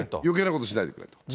よけいなことしないでくれと。